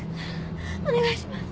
お願いします！